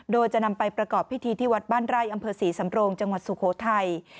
โดยจะนำไปประกอบพิธีที่วัดบ้านไร่อำเภอศรีสำโรงจังหวัดสุโขทัย